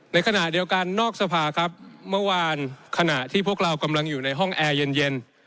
ในขณะเดียวกันนอกสภาครับเมื่อวานขณะที่พวกเรากำลังอยู่ในห้องแอร์เย็น